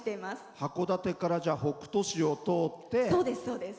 函館から、じゃあ北斗市を通って。